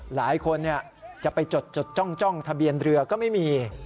หลายคนจะไปจดจ้องทะเบียนเรือก็ไม่มี